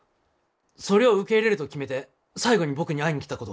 そりょう受け入れると決めて最後に僕に会いに来たこと。